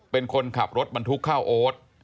เป็นคนขับรถบรรทุกข้าวโอ๊ต